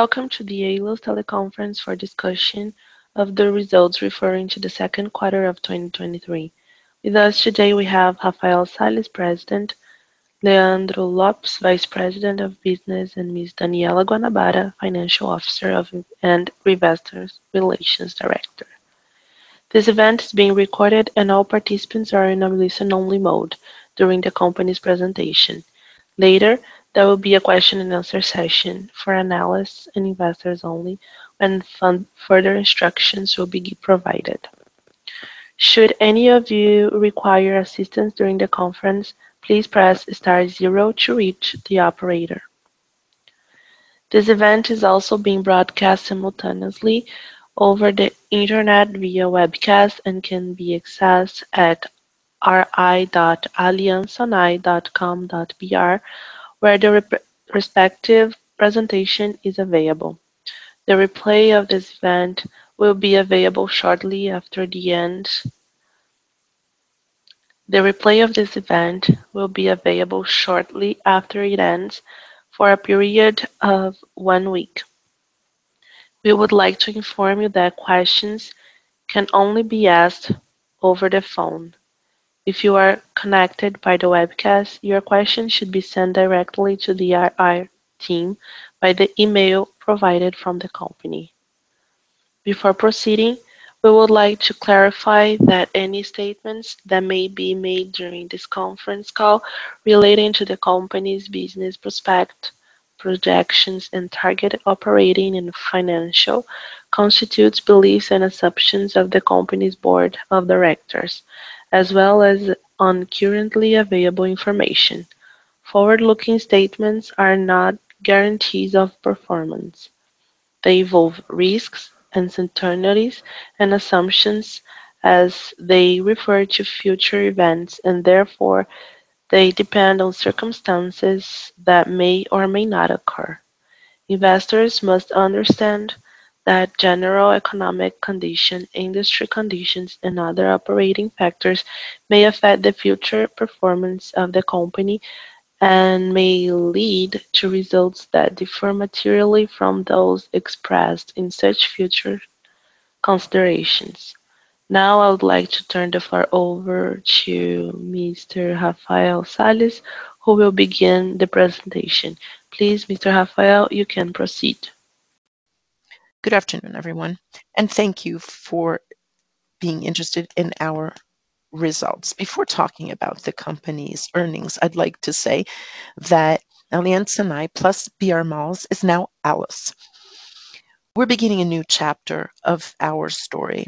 Welcome to the Allos teleconference for discussion of the results referring to the second quarter of 2023. With us today, we have Rafael Sales, President, Leandro Lopes, Vice President of Business, and Ms. Daniella Guanabara, Financial Officer of, and Investors Relations Director. This event is being recorded, and all participants are in a listen-only mode during the company's presentation. Later, there will be a question and answer session for analysts and investors only, when further instructions will be provided. Should any of you require assistance during the conference, please press star zero to reach the operator. This event is also being broadcast simultaneously over the internet via webcast and can be accessed at ri.alianscesonae.com.br, where the respective presentation is available. The replay of this event will be available shortly after the end. The replay of this event will be available shortly after it ends, for a period of one week. We would like to inform you that questions can only be asked over the phone. If you are connected by the webcast, your question should be sent directly to the RI team by the email provided from the company. Before proceeding, we would like to clarify that any statements that may be made during this conference call relating to the company's business prospect, projections, and target operating and financial, constitutes beliefs and assumptions of the company's board of directors, as well as on currently available information. Forward-looking statements are not guarantees of performance. They involve risks and certainties and assumptions as they refer to future events, and therefore, they depend on circumstances that may or may not occur. Investors must understand that general economic condition, industry conditions, and other operating factors may affect the future performance of the company and may lead to results that differ materially from those expressed in such future considerations. Now, I would like to turn the floor over to Mr. Rafael Sales, who will begin the presentation. Please, Mr. Rafael, you can proceed. Good afternoon, everyone, thank you for being interested in our results. Before talking about the company's earnings, I'd like to say that Aliansce and I, plus brMalls, is now Allos. We're beginning a new chapter of our story.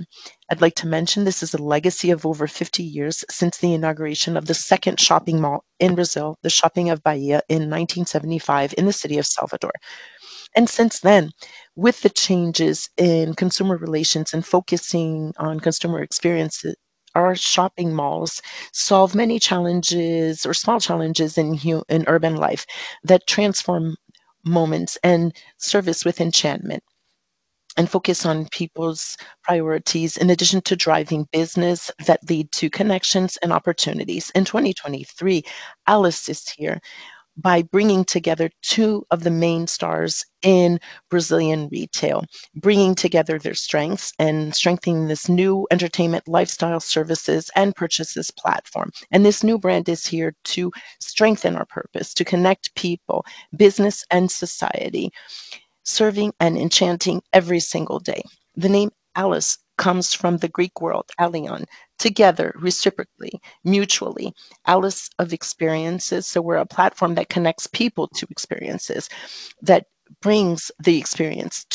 I'd like to mention this is a legacy of over 50 years since the inauguration of the second shopping mall in Brazil, the Shopping da Bahia, in 1975 in the city of Salvador. Since then, with the changes in consumer relations and focusing on customer experience, our shopping malls solve many challenges or small challenges in urban life that transform moments and service with enchantment and focus on people's priorities, in addition to driving business that lead to connections and opportunities. In 2023, Allos is here by bringing together two of the main stars in Brazilian retail, bringing together their strengths and strengthening this new entertainment, lifestyle, services, and purchases platform. This new brand is here to strengthen our purpose, to connect people, business, and society, serving and enchanting every single day. The name Allos comes from the Greek word, allion, together, reciprocally, mutually, Allos of experiences. We're a platform that connects people to experiences, that brings the experience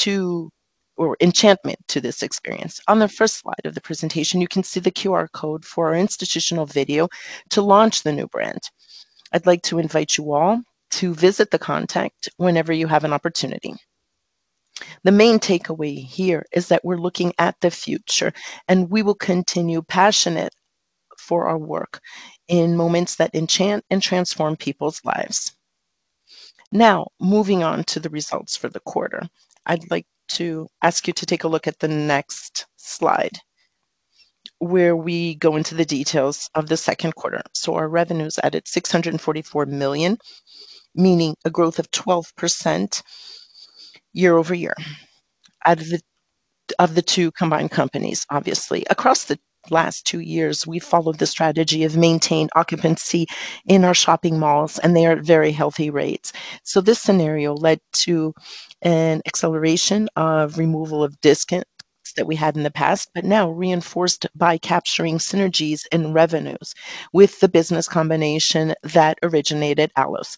or enchantment to this experience. On the first slide of the presentation, you can see the QR code for our institutional video to launch the new brand. I'd like to invite you all to visit the contact whenever you have an opportunity. The main takeaway here is that we're looking at the future, and we will continue passionate for our work in moments that enchant and transform people's lives. Now, moving on to the results for the quarter. I'd like to ask you to take a look at the next slide, where we go into the details of the second quarter. Our revenues added 644 million, meaning a growth of 12% year-over-year. Out of the, of the two combined companies, obviously. Across the last two years, we followed the strategy of maintained occupancy in our shopping malls, and they are at very healthy rates. This scenario led to an acceleration of removal of discounts that we had in the past, but now reinforced by capturing synergies and revenues with the business combination that originated Allos.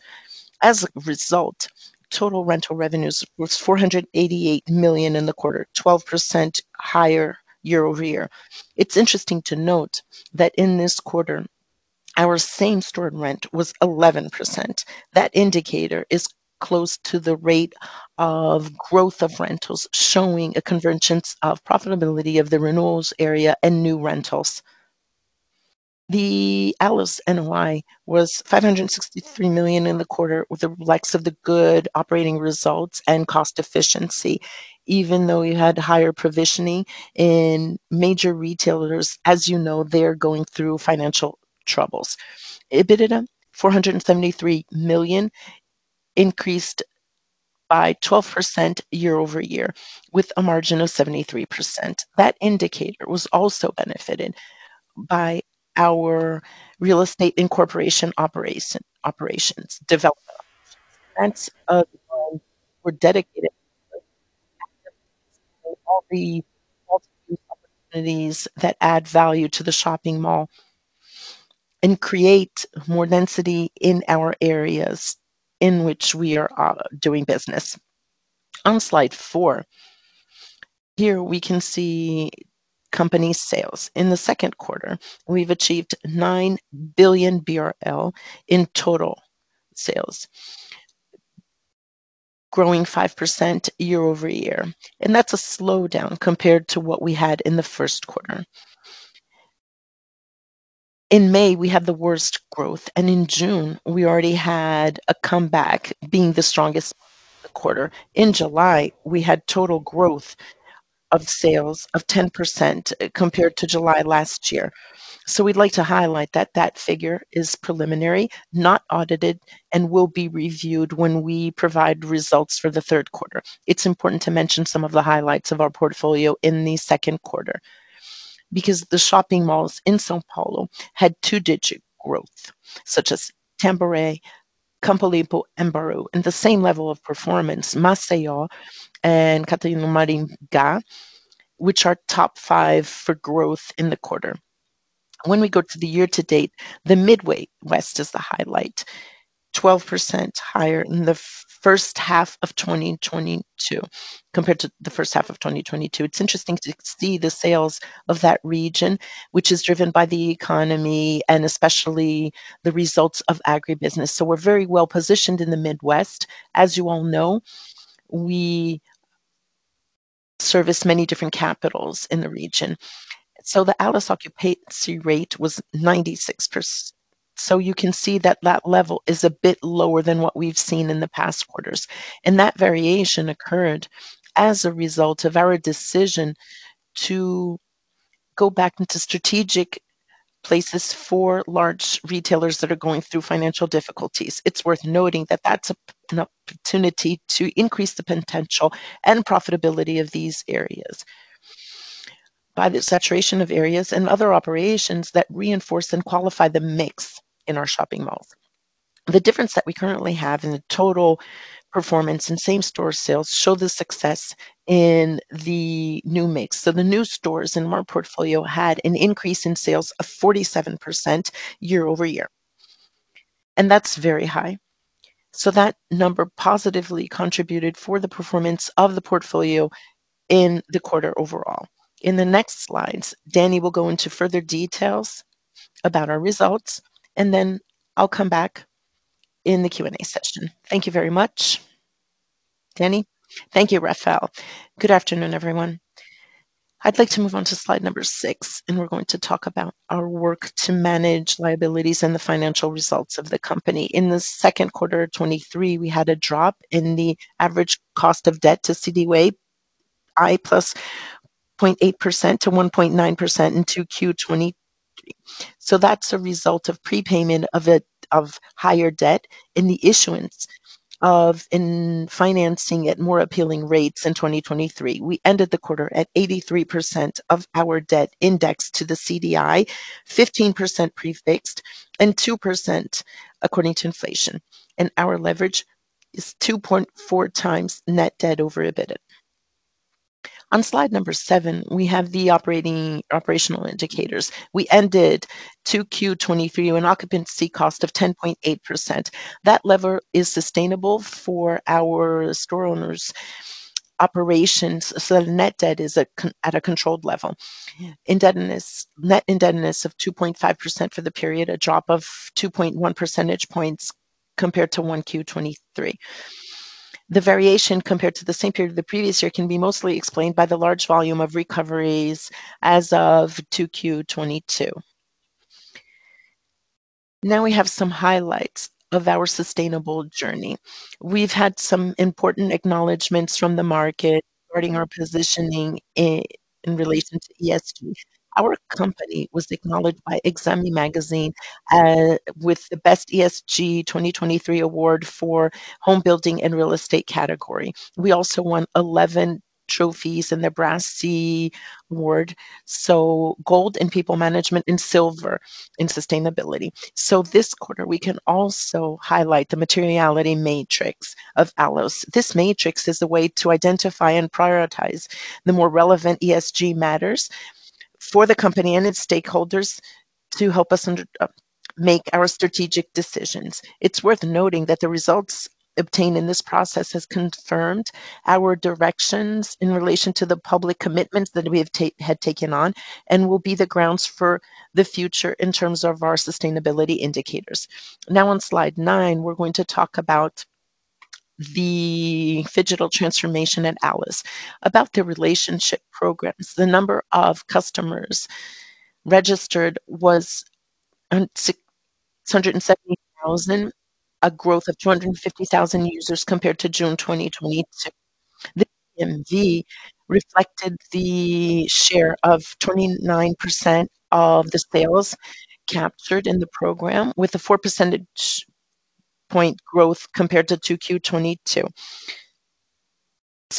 As a result, total rental revenues was 488 million in the quarter, 12% higher year-over-year. It's interesting to note that in this quarter, our same-store rent was 11%. That indicator is close to the rate of growth of rentals, showing a convergence of profitability of the renewals area and new rentals. The Allos NOI was 563 million in the quarter, with the likes of the good operating results and cost efficiency, even though we had higher provisioning in major retailers. As you know, they're going through financial troubles. EBITDA, 473 million, increased by 12% year-over-year, with a margin of 73%. That indicator was also benefited by our real estate incorporation operations development. That's, we're dedicated all the opportunities that add value to the shopping mall and create more density in our areas in which we are doing business. On slide four, here we can see company sales. In the second quarter, we've achieved 9 billion BRL in total sales, growing 5% year-over-year, and that's a slowdown compared to what we had in the first quarter. In May, we had the worst growth, and in June, we already had a comeback being the strongest quarter. In July, we had total growth of sales of 10% compared to July last year. We'd like to highlight that that figure is preliminary, not audited, and will be reviewed when we provide results for the third quarter. It's important to mention some of the highlights of our portfolio in the second quarter, because the shopping malls in São Paulo had two-digit growth, such as Tambore, Campolim, and Bauru, and the same level of performance, Maceió and Catuai, Maringá, which are top five for growth in the quarter. When we go to the year to date, the Midwest is the highlight, 12% higher in the first half of 2022 compared to the first half of 2022. It's interesting to see the sales of that region, which is driven by the economy, and especially the results of agribusiness. We're very well positioned in the Midwest. As you all know, we service many different capitals in the region. The Allos occupancy rate was 96%. You can see that that level is a bit lower than what we've seen in the past quarters. That variation occurred as a result of our decision to go back into strategic places for large retailers that are going through financial difficulties. It's worth noting that that's an opportunity to increase the potential and profitability of these areas by the saturation of areas and other operations that reinforce and qualify the mix in our shopping malls. The difference that we currently have in the total performance and same-store sales show the success in the new mix. The new stores in our portfolio had an increase in sales of 47% year-over-year. That's very high. That number positively contributed for the performance of the portfolio in the quarter overall. In the next slides, Danny will go into further details about our results, and then I'll come back in the Q&A session. Thank you very much. Danny? Thank you, Rafael. Good afternoon, everyone. I'd like to move on to slide number six. We're going to talk about our work to manage liabilities and the financial results of the company. In 2Q 2023, we had a drop in the average cost of debt to CDI plus 0.8% to 1.9% in Q2 2023. That's a result of prepayment of higher debt in the issuance in financing at more appealing rates in 2023. We ended the quarter at 83% of our debt index to the CDI, 15% prefixed, and 2% according to inflation. Our leverage is 2.4x net debt over EBITDA. On slide number seven, we have the operating indicators. We ended Q2 2023, an occupancy cost of 10.8%. That lever is sustainable for our store owners' operations, so the net debt is at a controlled level. Indebtedness, net indebtedness of 2.5% for the period, a drop of 2.1 percentage points compared to 1Q 2023. The variation compared to the same period of the previous year can be mostly explained by the large volume of recoveries as of 2Q 2022. Now we have some highlights of our sustainable journey. We've had some important acknowledgments from the market regarding our positioning in relation to ESG. Our company was acknowledged by Exame Magazine, with the best ESG 2023 award for home building and real estate category. We also won 11 trophies in the ABRASCE Award, so gold in people management and silver in sustainability. This quarter, we can also highlight the materiality matrix of Allos. This matrix is a way to identify and prioritize the more relevant ESG matters for the company and its stakeholders to help us under, make our strategic decisions. It's worth noting that the results obtained in this process has confirmed our directions in relation to the public commitments that we have take, had taken on, and will be the grounds for the future in terms of our sustainability indicators. On slide 9, we're going to talk about the phygital transformation at Allos. About the relationship programs, the number of customers registered was 617,000, a growth of 250,000 users compared to June 2022. This MD reflected the share of 29% of the sales captured in the program, with a 4 percentage point growth compared to 2Q 2022.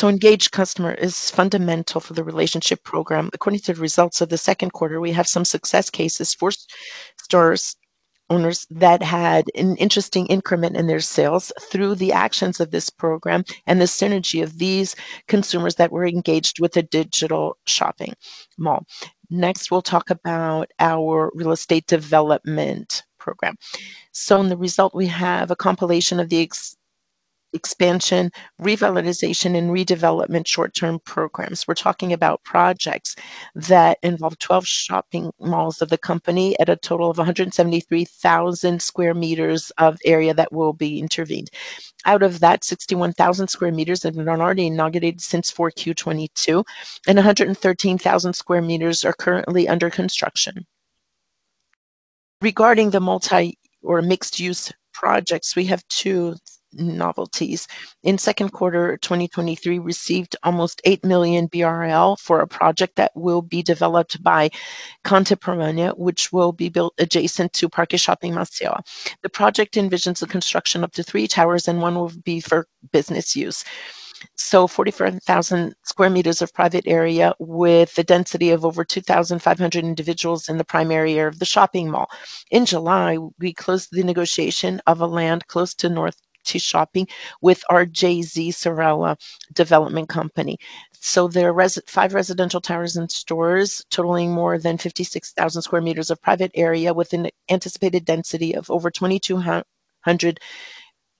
Engaged customer is fundamental for the relationship program. According to the results of the second quarter, we have some success cases for stores owners that had an interesting increment in their sales through the actions of this program and the synergy of these consumers that were engaged with the digital shopping mall. Next, we'll talk about our real estate development program. In the result, we have a compilation of the expansion, revitalization, and redevelopment short-term programs. We're talking about projects that involve 12 shopping malls of the company at a total of 173,000 square meters of area that will be intervened. Out of that, 61,000 square meters have been already inaugurated since 4Q 2022, and 113,000 square meters are currently under construction. Regarding the multi or mixed-use projects, we have two novelties. In 2Q 2023 received 8 million BRL for a project that will be developed by Contemporânea, which will be built adjacent to Parque Shopping Maceio. The project envisions the construction up to three towers, and one will be for business use. Forty-four thousand square meters of private area, with a density of over 2,500 individuals in the primary area of the shopping mall. In July, we closed the negotiation of a land close to Norte Shopping with our RJZ Cyrela development company. There are five residential towers and stores, totaling more than 56,000 square meters of private area, with an anticipated density of over 2,200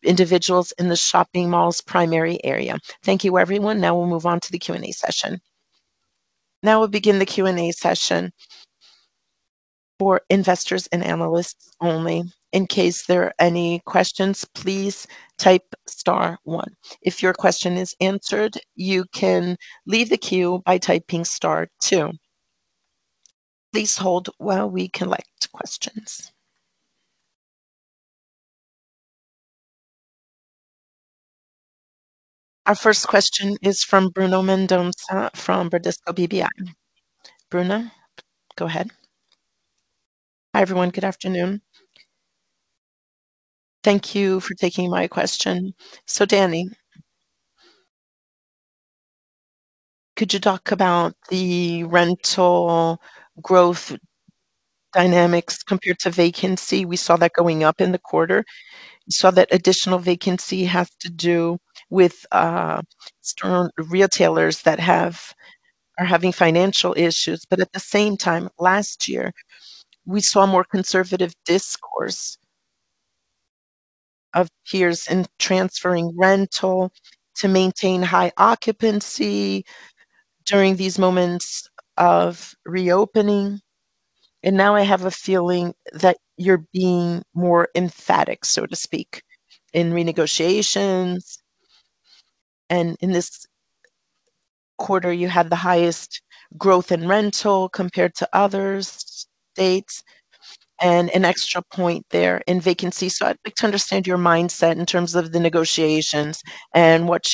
individuals in the shopping mall's primary area. Thank you, everyone. We'll move on to the Q&A session. We'll begin the Q&A session for investors and analysts only. In case there are any questions, please type star one. If your question is answered, you can leave the queue by typing star two. Please hold while we collect questions. Our first question is from Bruno Mendonça, from Bradesco BBI. Bruno, go ahead. Hi, everyone. Good afternoon. Thank you for taking my question. Dani, could you talk about the rental growth dynamics compared to vacancy? We saw that going up in the quarter. We saw that additional vacancy have to do with strong retailers that are having financial issues. At the same time, last year, we saw more conservative discourse of peers in transferring rental to maintain high occupancy during these moments of reopening. Now I have a feeling that you're being more emphatic, so to speak, in renegotiations, and in this quarter, you had the highest growth in rental compared to other states and an extra point there in vacancy. I'd like to understand your mindset in terms of the negotiations and what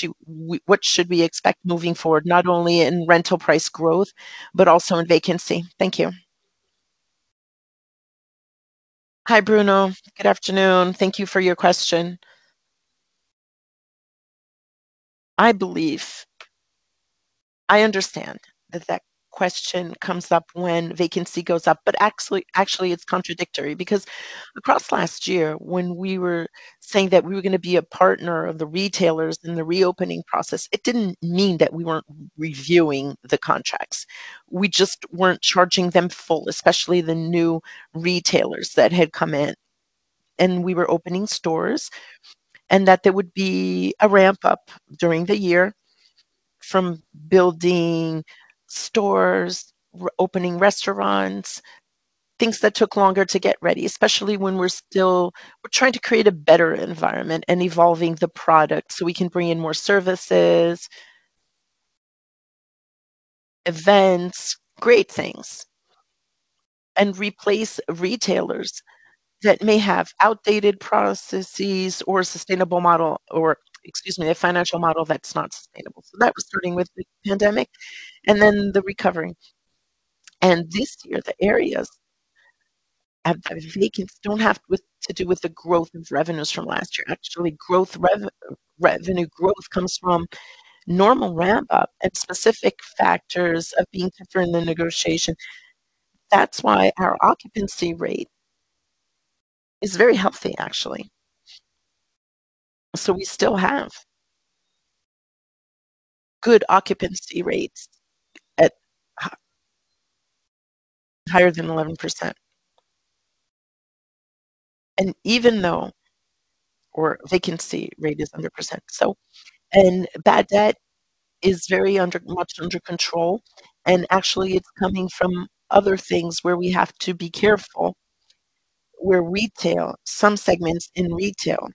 should we expect moving forward, not only in rental price growth, but also in vacancy. Thank you. Hi, Bruno. Good afternoon. Thank you for your question. I believe... I understand that that question comes up when vacancy goes up, but actually, actually, it's contradictory because across last year, when we were saying that we were going to be a partner of the retailers in the reopening process, it didn't mean that we weren't reviewing the contracts. We just weren't charging them full, especially the new retailers that had come in, and we were opening stores, and that there would be a ramp-up during the year from building stores, opening restaurants, things that took longer to get ready, especially when we're trying to create a better environment and evolving the product so we can bring in more services, events, great things, and replace retailers that may have outdated processes or sustainable model or, excuse me, a financial model that's not sustainable. That was starting with the pandemic and then the recovery. This year, the areas of vacancy don't have to do with the growth of revenues from last year. Actually, revenue growth comes from normal ramp-up and specific factors of being different in the negotiation. That's why our occupancy rate is very healthy, actually. We still have good occupancy rates at higher than 11%. Even though... Vacancy rate is under percent. Bad debt is very under, much under control, and actually, it's coming from other things where we have to be careful, where retail, some segments in retail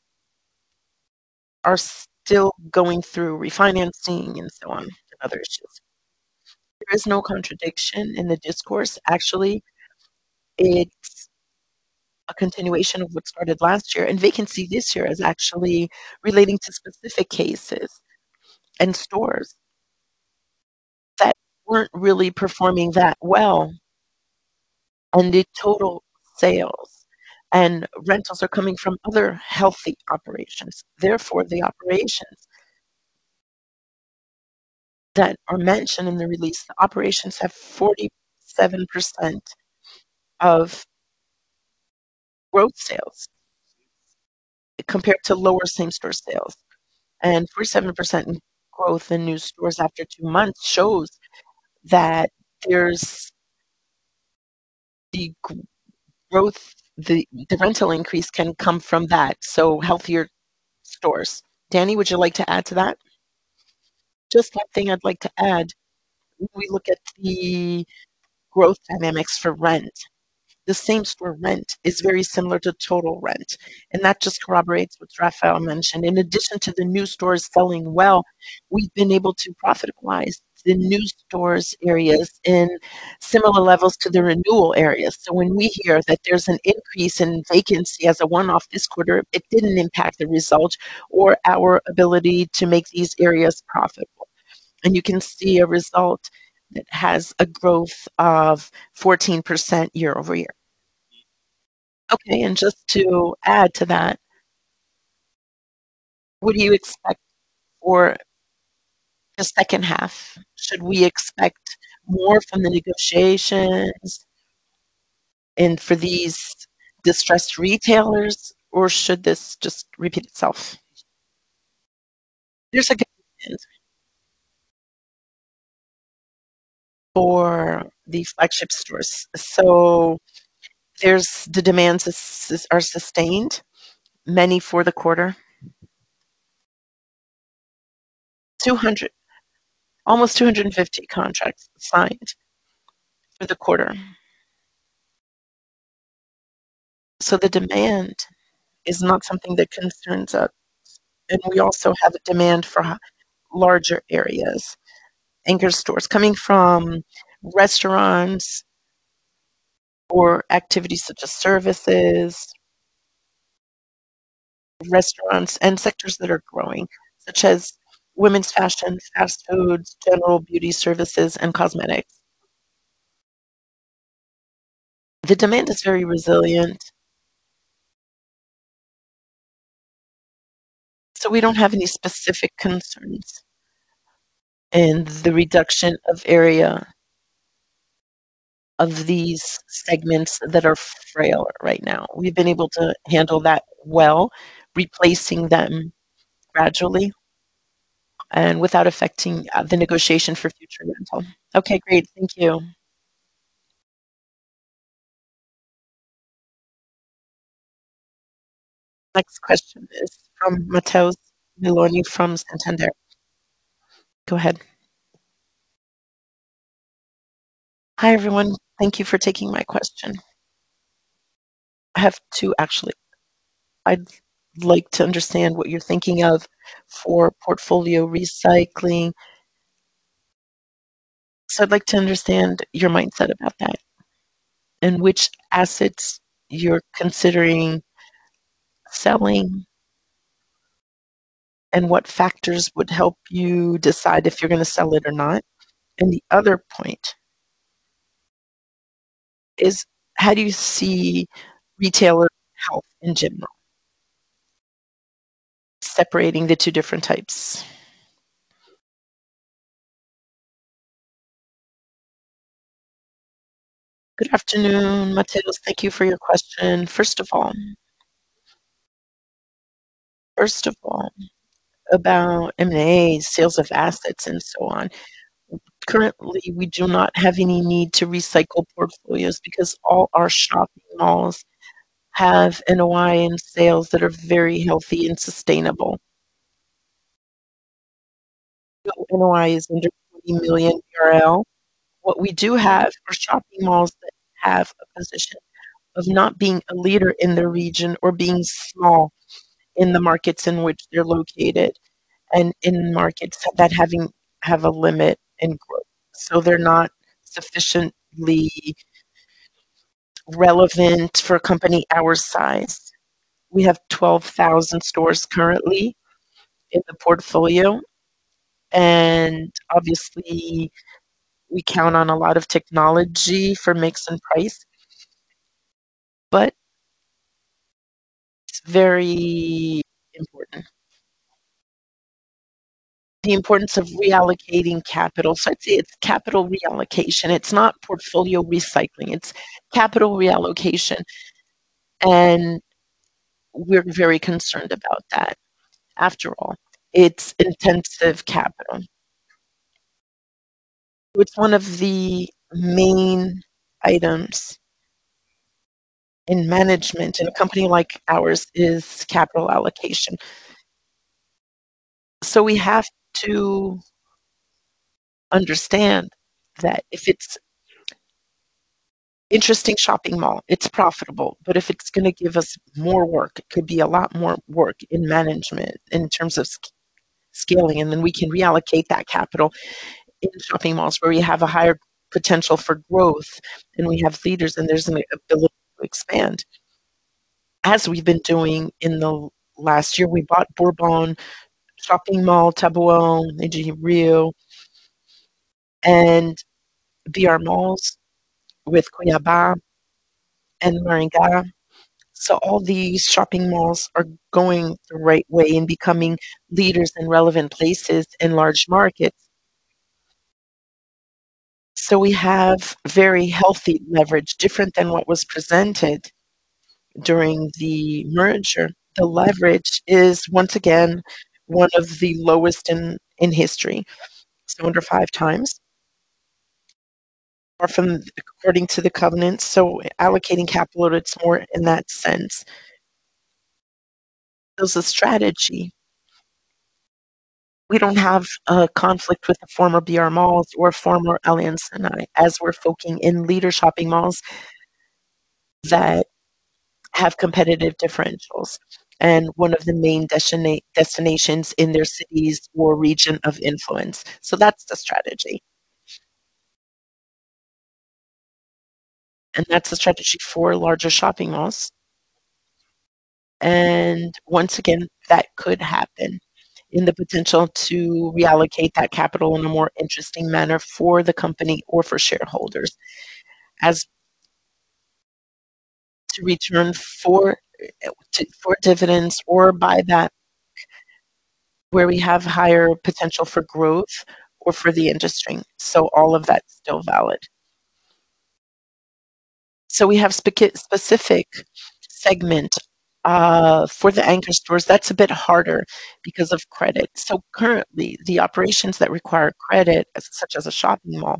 are still going through refinancing and so on, and other issues. There is no contradiction in the discourse. Actually, it's a continuation of what started last year, and vacancy this year is actually relating to specific cases and stores that weren't really performing that well on the total sales. Rentals are coming from other healthy operations. Therefore, the operations that are mentioned in the release, the operations have 47% of growth sales compared to lower Same-store sales, and 47% growth in new stores after 2 months shows that there's the growth, the rental increase can come from that, so healthier stores. Danny, would you like to add to that? Just one thing I'd like to add. When we look at the growth dynamics for rent, the Same-store rent is very similar to total rent, and that just corroborates what Rafael mentioned. In addition to the new stores selling well, we've been able to profit-wise the new stores areas in similar levels to the renewal areas. When we hear that there's an increase in vacancy as a one-off this quarter, it didn't impact the result or our ability to make these areas profitable. You can see a result that has a growth of 14% year-over-year. Okay, just to add to that, what do you expect for the second half? Should we expect more from the negotiations and for these distressed retailers, or should this just repeat itself? There's a good for the flagship stores. There's... The demands are sustained, many for the quarter. 200, almost 250 contracts signed for the quarter. The demand is not something that concerns us, and we also have a demand for larger areas. Anchor stores coming from restaurants or activities such as services, restaurants, and sectors that are growing, such as women's fashion, fast foods, general beauty services, and cosmetics. The demand is very resilient, we don't have any specific concerns, the reduction of area of these segments that are frailer right now. We've been able to handle that well, replacing them gradually and without affecting the negotiation for future rental. Okay, great. Thank you. Next question is from Matheus Milani, from Santander. Go ahead. Hi, everyone. Thank you for taking my question. I have two actually. I'd like to understand what you're thinking of for portfolio recycling. I'd like to understand your mindset about that, which assets you're considering selling, and what factors would help you decide if you're going to sell it or not. The other point is: how do you see retailer health in general, separating the two different types? Good afternoon, Mateus. Thank you for your question. First of all, first of all, about M&A, sales of assets, and so on. Currently, we do not have any need to recycle portfolios because all our shopping malls have NOI and sales that are very healthy and sustainable. NOI is under 40 million. What we do have are shopping malls that have a position of not being a leader in the region or being small in the markets in which they're located and in markets that have a limit in growth, so they're not sufficiently relevant for a company our size. We have 12,000 stores currently in the portfolio, and obviously, we count on a lot of technology for mix and price, but it's very important. The importance of reallocating capital. I'd say it's capital reallocation. It's not portfolio recycling, it's capital reallocation, and we're very concerned about that. After all, it's intensive capital, which one of the main items in management in a company like ours is capital allocation. We have understand that if it's interesting shopping mall, it's profitable. If it's gonna give us more work, it could be a lot more work in management in terms of scaling, and then we can reallocate that capital into shopping malls where we have a higher potential for growth, and we have leaders, and there's an ability to expand. As we've been doing in the last year, we bought Bourbon Shopping, Taboáo, Rio, and brMalls with Cuiabá and Maringá. All these shopping malls are going the right way in becoming leaders in relevant places in large markets. We have very healthy leverage, different than what was presented during the merger. The leverage is once again, one of the lowest in, in history. It's under 5x. According to the covenants, so allocating capital, it's more in that sense. There's a strategy. We don't have a conflict with the former brMalls or former Aliansce Sonae, as we're focusing in leader shopping malls that have competitive differentials and one of the main destinations in their cities or region of influence. That's the strategy. That's the strategy for larger shopping malls. Once again, that could happen in the potential to reallocate that capital in a more interesting manner for the company or for shareholders. As to return for, for dividends or by that. Where we have higher potential for growth or for the industry. All of that is still valid. We have specific segment for the anchor stores. That's a bit harder because of credit. Currently, the operations that require credit, as such as a shopping mall,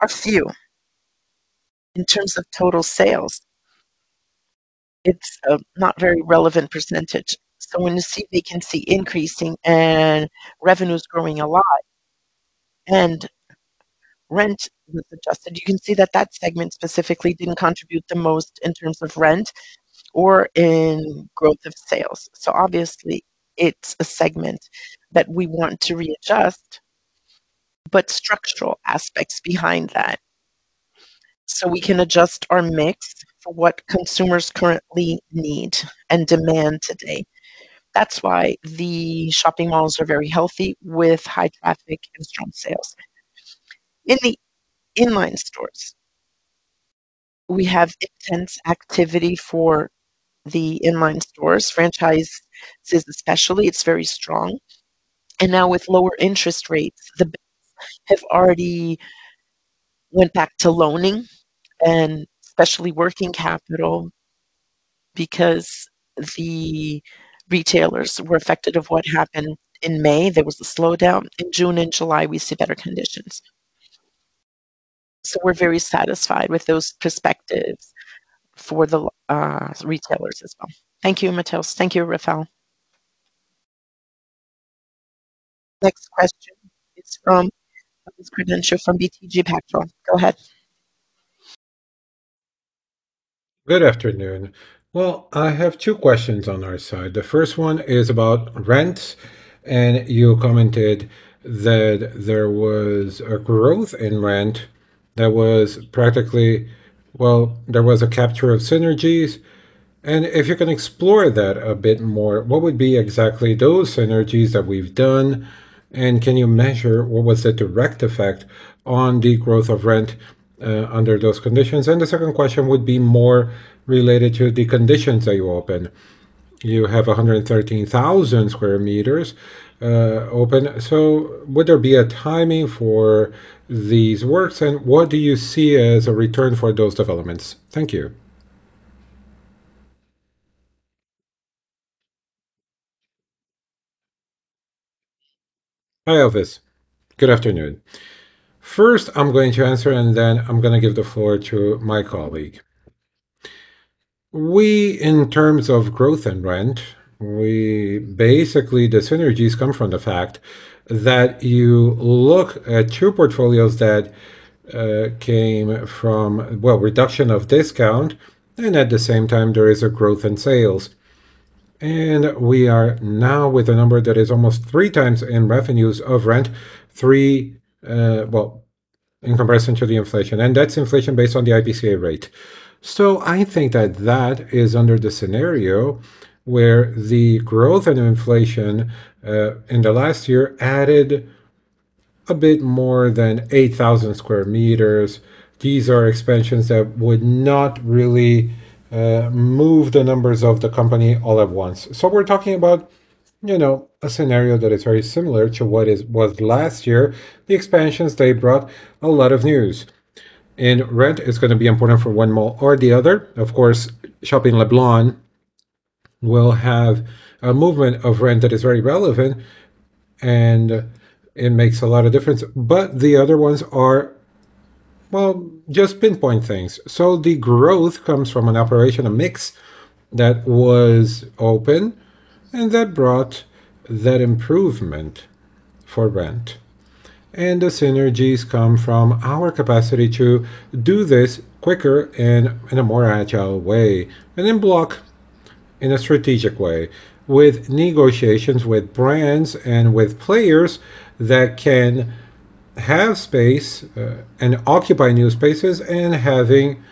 are few. In terms of total sales, it's a not very relevant percentage. When you see, we can see increasing and revenues growing a lot, and rent was adjusted. You can see that that segment specifically didn't contribute the most in terms of rent or in growth of sales. Obviously, it's a segment that we want to readjust, but structural aspects behind that. We can adjust our mix for what consumers currently need and demand today. That's why the shopping malls are very healthy, with high traffic and strong sales. In the inline stores, we have intense activity for the inline stores. Franchise is especially, it's very strong. Now with lower interest rates, the banks have already went back to loaning and especially working capital, because the retailers were affected of what happened in May. There was a slowdown. In June and July, we see better conditions. We're very satisfied with those perspectives for the retailers as well. Thank you, Mateus. Thank you, Rafael. Next question is from Elvis, from BTG Pactual. Go ahead. Good afternoon. Well, I have two questions on our side. The first one is about rent. You commented that there was a growth in rent that was practically... Well, there was a capture of synergies. If you can explore that a bit more, what would be exactly those synergies that we've done? Can you measure what was the direct effect on the growth of rent, under those conditions? The second question would be more related to the conditions that you open. You have 113,000 square meters, open. Would there be a timing for these works, and what do you see as a return for those developments? Thank you. Hi, Elvis. Good afternoon. First, I'm going to answer, and then I'm gonna give the floor to my colleague. We, in terms of growth and rent, basically, the synergies come from the fact that you look at two portfolios that came from, well, reduction of discount, and at the same time, there is a growth in sales. We are now with a number that is almost three times in revenues of rent, three, well, in comparison to the inflation, and that's inflation based on the IPCA rate. I think that that is under the scenario where the growth and inflation in the last year added a bit more than 8,000 square meters. These are expansions that would not really move the numbers of the company all at once. We're talking about, you know, a scenario that is very similar to what was last year. The expansions, they brought a lot of news, rent is going to be important for 1 more or the other. Of course, Shopping Leblon will have a movement of rent that is very relevant, it makes a lot of difference, the other ones are- Well, just pinpoint things. The growth comes from an operation, a mix that was open, that brought that improvement for rent. The synergies come from our capacity to do this quicker and in a more agile way, and then block in a strategic way with negotiations with brands and with players that can have space, and occupy new spaces, having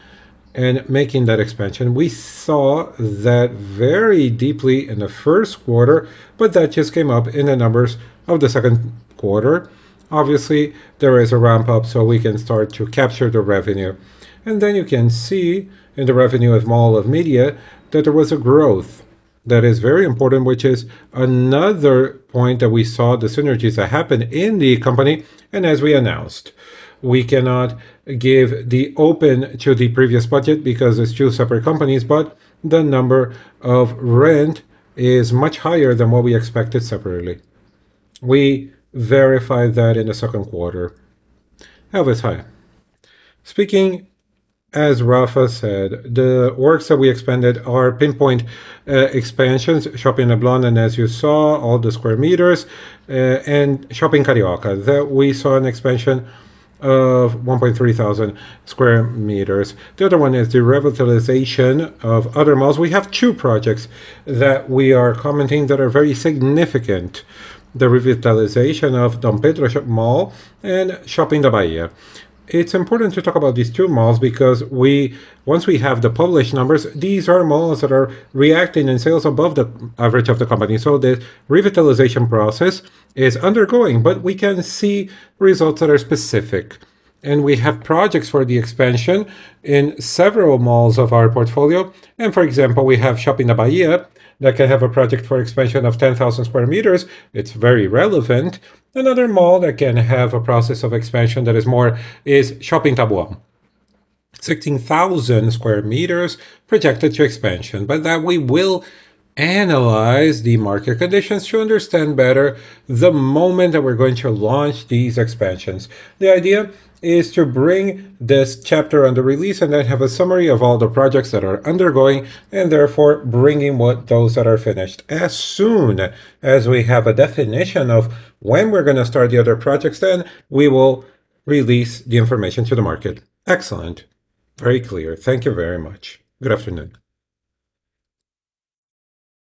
and making that expansion. We saw that very deeply in the first quarter, that just came up in the numbers of the second quarter. Obviously, there is a ramp-up, we can start to capture the revenue. You can see in the revenue of Mall Media that there was a growth that is very important, which is another point that we saw the synergies that happened in the company and as we announced. We cannot give the open to the previous budget because it's two separate companies, but the number of rent is much higher than what we expected separately. We verified that in the second quarter. Elvis, hi. Speaking, as Rafa said, the works that we expanded are pinpoint expansions, Shopping Leblon, and as you saw, all the square meters, and Shopping Carioca, that we saw an expansion of 1,300 sq m. The other one is the revitalization of other malls. We have two projects that we are commenting that are very significant: the revitalization of Parque Dom Pedro Shopping and Shopping da Bahia. It's important to talk about these two malls because once we have the published numbers, these are malls that are reacting in sales above the average of the company. The revitalization process is undergoing, but we can see results that are specific. We have projects for the expansion in several malls of our portfolio. For example, we have Shopping da Bahia, that can have a project for expansion of 10,000 sq m. It's very relevant. Another mall that can have a process of expansion that is more, is Shopping Taboão, 16,000 sq m projected to expansion. That we will analyze the market conditions to understand better the moment that we're going to launch these expansions. The idea is to bring this chapter on the release and then have a summary of all the projects that are undergoing, and therefore, bringing what those that are finished. As soon as we have a definition of when we're going to start the other projects, then we will release the information to the market. Excellent. Very clear. Thank you very much. Good afternoon.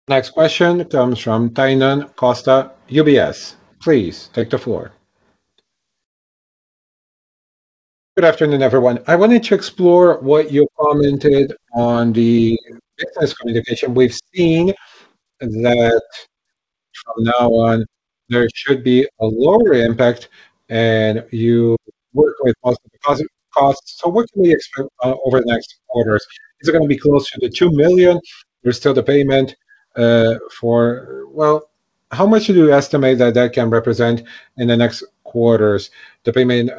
Next question comes from Tainan Costa, UBS. Please, take the floor. Good afternoon, everyone. I wanted to explore what you commented on the business communication. We've seen that from now on, there should be a lower impact, and you work with positive costs. What can we expect over the next quarters? Is it going to be close to the 2 million? There's still the payment for... Well, how much do you estimate that that can represent in the next quarters, the payment,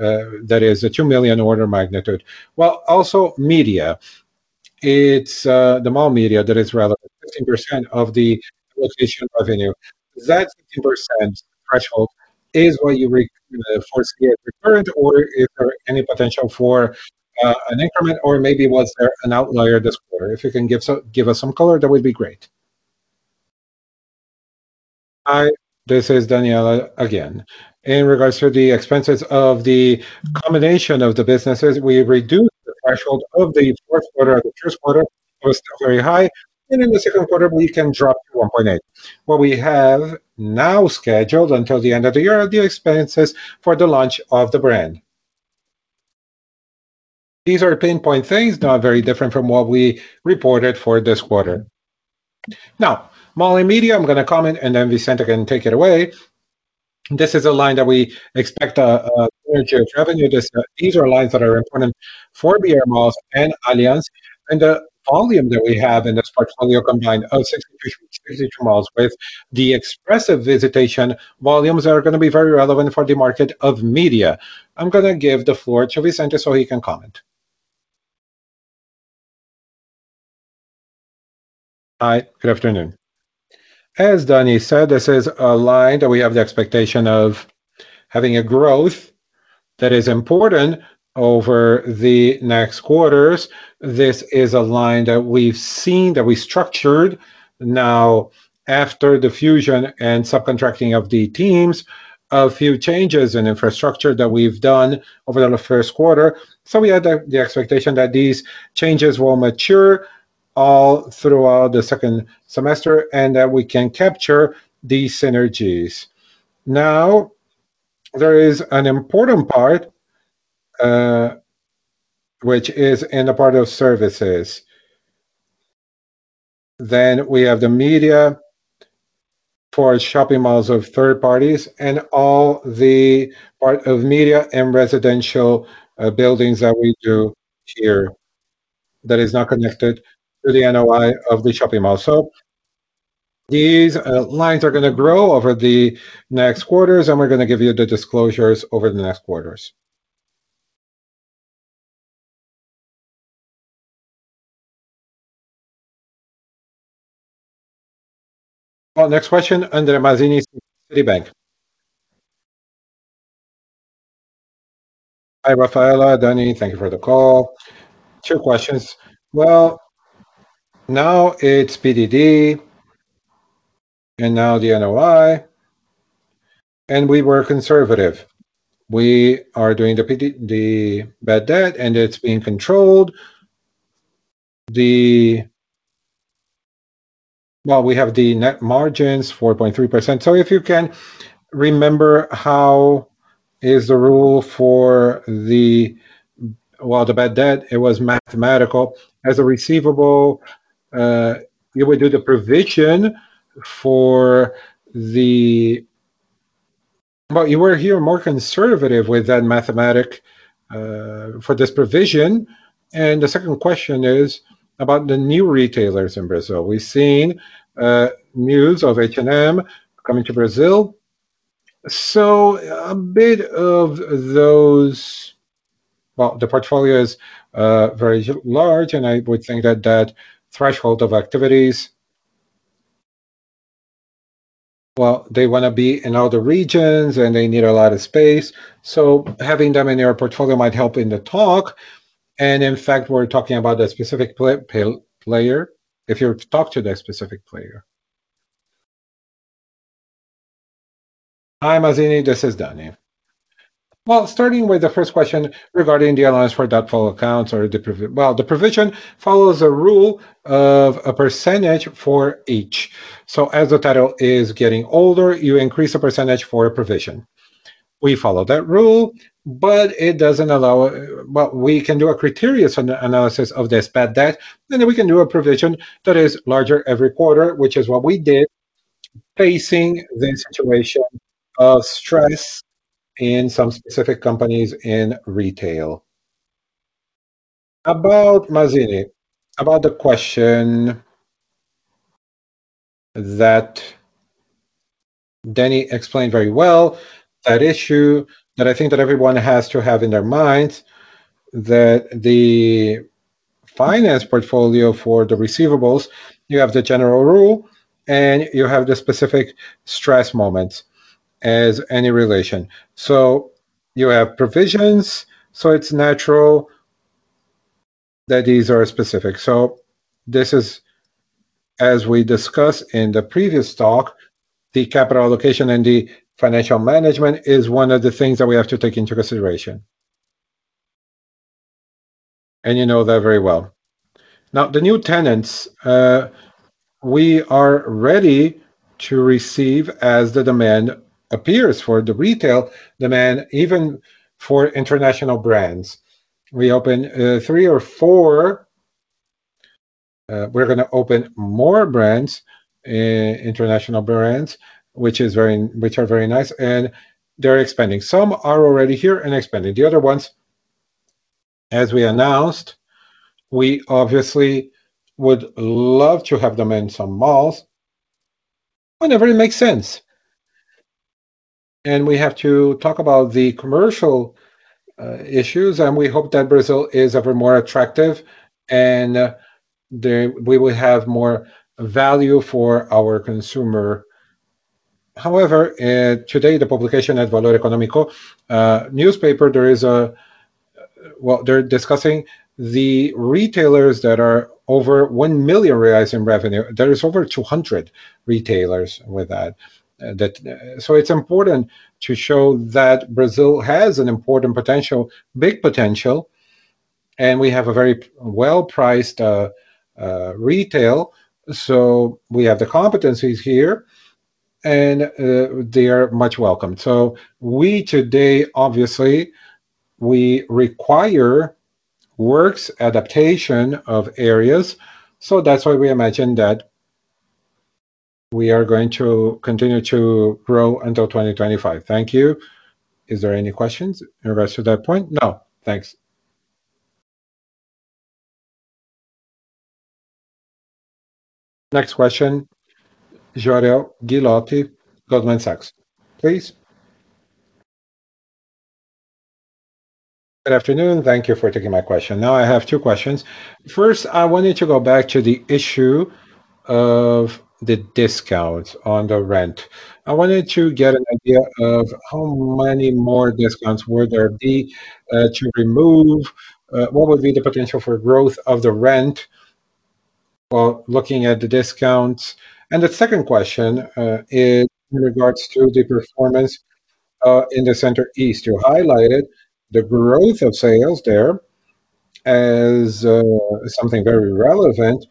that is a 2 million order magnitude? Well, also, media, it's the Mall Media that is relevant, 15% of the visitation revenue. That 15% threshold is what you re-foresee as recurrent, or is there any potential for an increment, or maybe was there an outlier this quarter? If you can give some, give us some color, that would be great. Hi, this is Daniella again. In regards to the expenses of the combination of the businesses, we reduced the threshold of the 4th quarter and the 1st quarter was still very high, and in the 2nd quarter, we can drop to 1.8 million. What we have now scheduled until the end of the year are the expenses for the launch of the brand. These are pinpoint things, not very different from what we reported for this quarter. Mall Media, I'm going to comment, and then Vicente can take it away. This is a line that we expect a revenue. These are lines that are important for brMalls and Alians, and the volume that we have in this portfolio combined of 62 malls with the expressive visitation volumes are going to be very relevant for the market of media. I'm going to give the floor to Vicente so he can comment. Hi, good afternoon. As Danny said, this is a line that we have the expectation of having a growth that is important over the next quarters. This is a line that we've seen, that we structured now after the fusion and subcontracting of the teams, a few changes in infrastructure that we've done over the first quarter. We had the expectation that these changes will mature all throughout the second semester, and that we can capture these synergies. There is an important part, which is in the part of services. We have the media for shopping malls of third parties and all the part of media and residential buildings that we do here that is not connected to the NOI of the shopping mall. These lines are going to grow over the next quarters, and we're going to give you the disclosures over the next quarters. Next question, André Mazini, Citibank. Hi, Rafael, Danny. Thank you for the call. Two questions. Now it's PDD, and now the NOI, and we were conservative. We are doing the bad debt, and it's being controlled. We have the net margins, 4.3%. If you can remember, how is the rule for the... Well, the bad debt, it was mathematical. As a receivable, you would do the provision for the-- Well, you were here more conservative with that mathematic, for this provision. The second question is about the new retailers in Brazil. We've seen news of H&M coming to Brazil. A bit of those-- Well, the portfolio is very large, and I would think that that threshold of activities, well, they wanna be in other regions, and they need a lot of space, so having them in your portfolio might help in the talk. In fact, we're talking about the specific player, if you talk to that specific player. Hi, Motta, this is Danny. Well, starting with the first question regarding the allowance for doubtful accounts or the provision. Well, the provision follows a rule of a percentage for each. As the title is getting older, you increase the percentage for a provision. We follow that rule. It doesn't allow. Well, we can do a criterious analysis of this bad debt, then we can do a provision that is larger every quarter, which is what we did, facing the situation of stress in some specific companies in retail. About, Mazzini, about the question that Danny explained very well, that issue that I think that everyone has to have in their minds, that the finance portfolio for the receivables, you have the general rule, and you have the specific stress moments as any relation. You have provisions, so it's natural that these are specific. This is, as we discussed in the previous talk, the capital allocation and the financial management is one of the things that we have to take into consideration. You know that very well. Now, the new tenants, we are ready to receive as the demand appears for the retail demand, even for international brands. We opened, three or four, we're gonna open more brands, international brands, which are very nice, and they're expanding. Some are already here and expanding. The other ones, as we announced, we obviously would love to have them in some malls whenever it makes sense. We have to talk about the commercial, issues, and we hope that Brazil is ever more attractive and, we will have more value for our consumer. However, today, the publication at Valor Econômico newspaper, they're discussing the retailers that are over 1 million reais in revenue. There is over 200 retailers with that. It's important to show that Brazil has an important potential, big potential, and we have a very well-priced retail. We have the competencies here, and they are much welcome. We today, obviously, we require works adaptation of areas, so that's why we imagine that we are going to continue to grow until 2025. Thank you. Is there any questions in regards to that point? No. Thanks. Next question, Jorel Guilloty, Goldman Sachs. Please. Good afternoon. Thank you for taking my question. Now, I have two questions. First, I wanted to go back to the issue of the discount on the rent. I wanted to get an idea of how many more discounts would there be to remove, what would be the potential for growth of the rent, looking at the discounts? The second question is in regards to the performance in the Centro-Oeste. You highlighted the growth of sales there as something very relevant.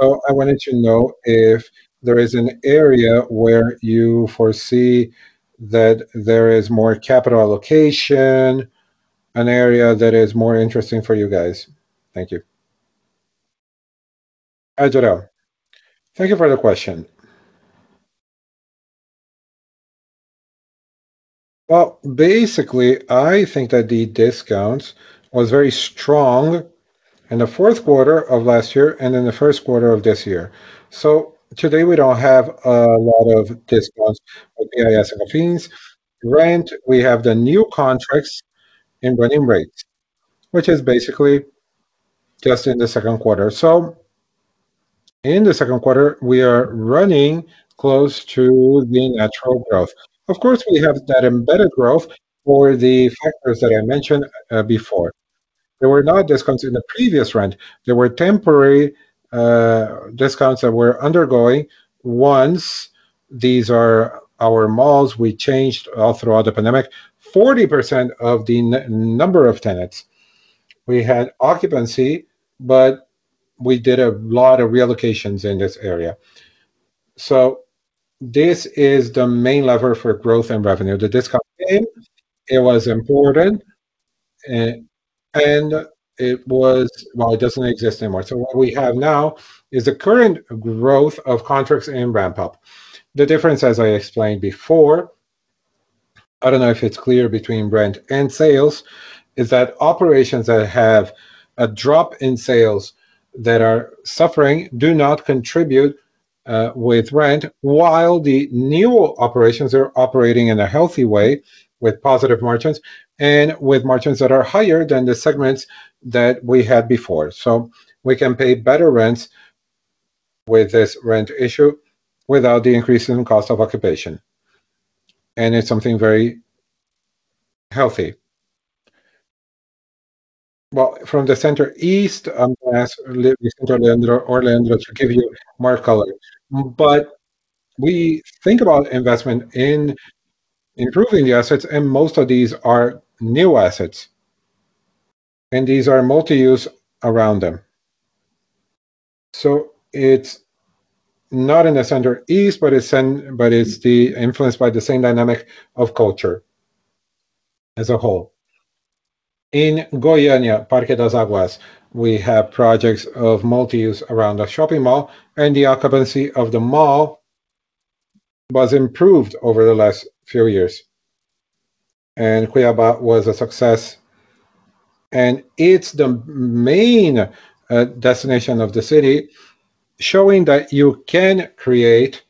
I wanted to know if there is an area where you foresee that there is more capital allocation, an area that is more interesting for you guys. Thank you. Hi, Jorel. Thank you for the question. Well, basically, I think that the discounts was very strong in the fourth quarter of last year and in the first quarter of this year. Today we don't have a lot of discounts with AIS and cafes. Rent, we have the new contracts in running rates, which is basically-... just in the second quarter. In the second quarter, we are running close to the natural growth. Of course, we have that embedded growth for the factors that I mentioned before. There were no discounts in the previous rent. There were temporary discounts that were undergoing once these are our malls, we changed all throughout the pandemic. 40% of the number of tenants, we had occupancy, but we did a lot of relocations in this area. This is the main lever for growth and revenue. The discount came, it was important, and it was... Well, it doesn't exist anymore. What we have now is the current growth of contracts and ramp up. The difference, as I explained before, I don't know if it's clear between rent and sales, is that operations that have a drop in sales that are suffering do not contribute with rent, while the new operations are operating in a healthy way with positive margins and with margins that are higher than the segments that we had before. We can pay better rents with this rent issue without the increase in cost of occupation, and it's something very healthy. Well, from the Centro-Oeste, as Centro-Oeste, to give you more color, we think about investment in improving the assets, and most of these are new assets, and these are multi-use around them. It's not in the Centro-Oeste, it's influenced by the same dynamic of culture as a whole. In Goiânia, Passeio das Águas, we have projects of multi-use around the shopping mall. The occupancy of the mall was improved over the last few years. Cuiabá was a success, and it's the main destination of the city, showing that you can create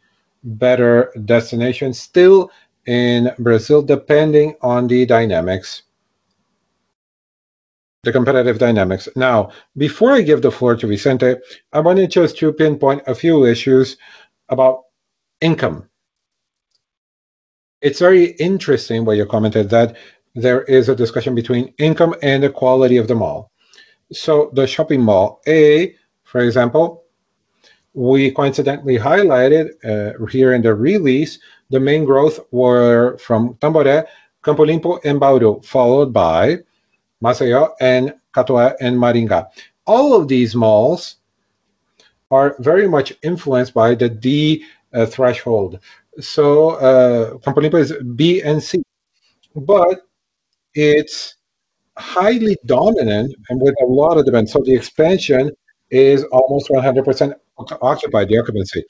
better destinations still in Brazil, depending on the dynamics, the competitive dynamics. Now, before I give the floor to Vicente, I wanted just to pinpoint a few issues about income. It's very interesting what you commented, that there is a discussion between income and the quality of the mall. The shopping mall, A, for example, we coincidentally highlighted here in the release, the main growth were from Tambore, Campolim, and Bauru, followed by Maceió and Catoa and Maringá. All of these malls are very much influenced by the D threshold. Campolim is B and C, but it's highly dominant and with a lot of demand, so the expansion is almost 100% occupied, the occupancy.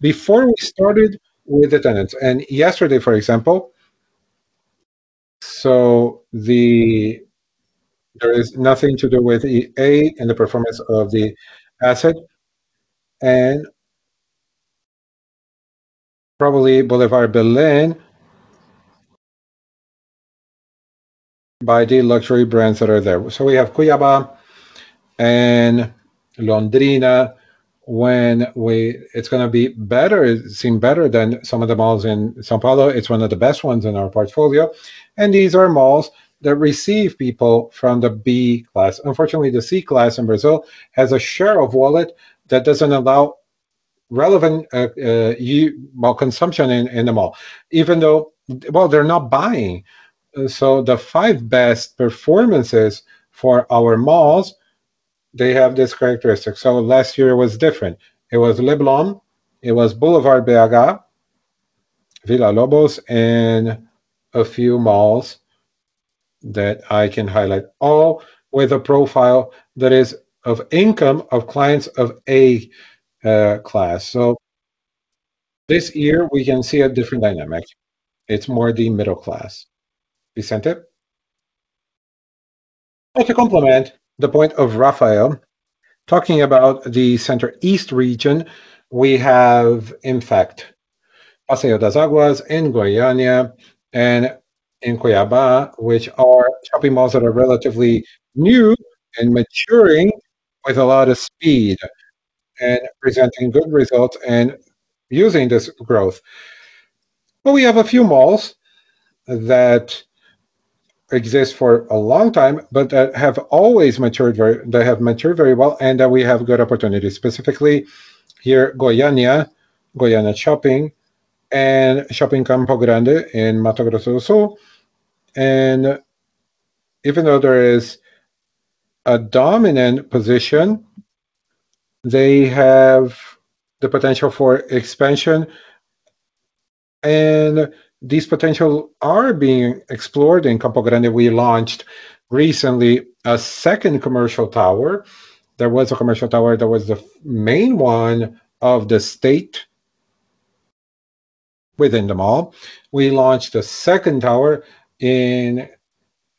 Before we started with the tenants, yesterday, for example, there is nothing to do with A and the performance of the asset, and probably Boulevard Shopping, by the luxury brands that are there. We have Cuiaba and Londrina. It's gonna be better, it seem better than some of the malls in São Paulo. It's one of the best ones in our portfolio, and these are malls that receive people from the B class. Unfortunately, the C class in Brazil has a share of wallet that doesn't allow relevant, well, consumption in, in the mall, even though... Well, they're not buying. The five best performances for our malls, they have this characteristic. Last year was different. It was Leblon, it was Boulevard Shopping, Villa-Lobos, and a few malls that I can highlight, all with a profile that is of income of clients of A class. This year we can see a different dynamic. It's more the middle class. Vicente, to complement the point of Rafael, talking about the Centro-Oeste region, we have, in fact, Passeio das Águas in Goiânia and in Cuiabá, which are shopping malls that are relatively new and maturing with a lot of speed and presenting good results and using this growth. We have a few malls that exist for a long time, but that have always matured very well, and that we have good opportunities, specifically here, Goiânia, Goiânia Shopping, and Shopping Campo Grande in Mato Grosso do Sul. Even though there is a dominant position, they have the potential for expansion, and these potential are being explored. In Campo Grande, we launched recently a second commercial tower. There was a commercial tower that was the main one of the state within the mall. We launched a second tower in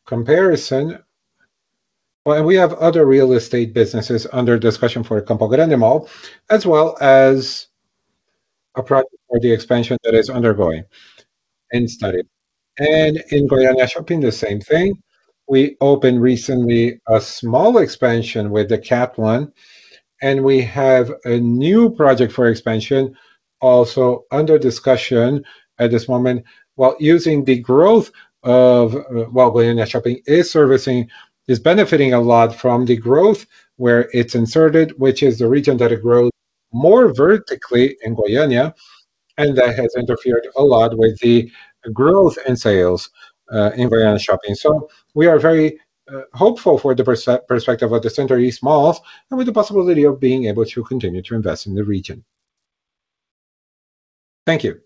comparison, but we have other real estate businesses under discussion for Campo Grande Mall, as well as a project for the expansion that is undergoing and studied. In Goiania Shopping, the same thing. We opened recently a small expansion with the Cap One. We have a new project for expansion also under discussion at this moment, while using the growth of Goiania Shopping is servicing, is benefiting a lot from the growth where it's inserted, which is the region that it grows more vertically in Goiania. That has interfered a lot with the growth and sales in Goiania Shopping. We are very hopeful for the perspective of the Midwest malls and with the possibility of being able to continue to invest in the region. Thank you.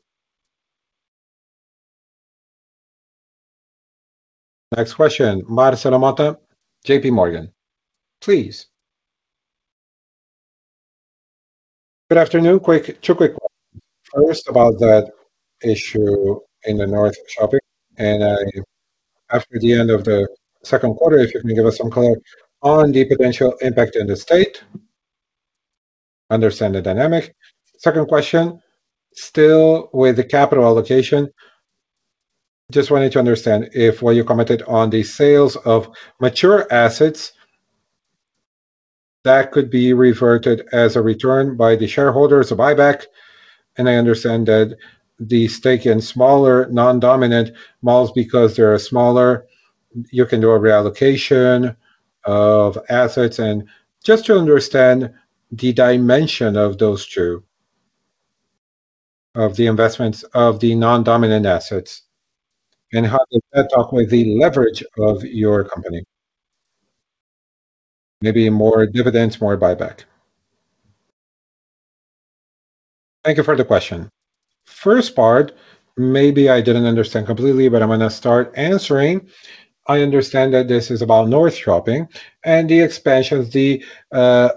Next question, Marcelo Motta, JPMorgan, please. Good afternoon. Two quick questions. First, about that issue in the Norte Shopping. After the end of the second quarter, if you can give us some color on the potential impact in the state, understand the dynamic. Second question, still with the capital allocation, just wanted to understand if what you commented on the sales of mature assets, that could be reverted as a return by the shareholders, a buyback. I understand that the stake in smaller, non-dominant malls, because they are smaller, you can do a reallocation of assets. Just to understand the dimension of those two, of the investments of the non-dominant assets, and how does that affect with the leverage of your company? Maybe more dividends, more buyback. Thank you for the question. First part, maybe I didn't understand completely, but I'm going to start answering. I understand that this is about Norte Shopping and the expansion of the